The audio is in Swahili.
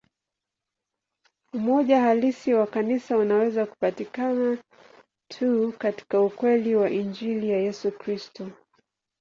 Umoja halisi wa Kanisa unaweza kupatikana tu katika ukweli wa Injili ya Yesu Kristo.